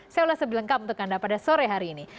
saya ulas lebih lengkap untuk anda pada sore hari ini